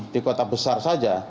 di kota besar saja